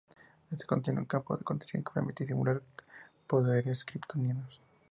Éste contiene un campo de contención que permite simular poderes kryptonianos.